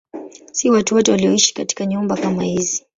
Si watu wote walioishi katika nyumba kama hizi.